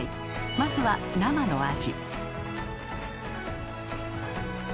まずは生のアジ。